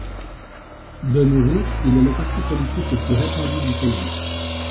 De nos jours il est le parti politique le plus répandu du pays.